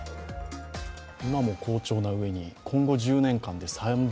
今も好調なうえに、今後１０年間で３倍。